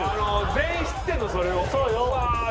全員知ってんのそれを「うわ！」で。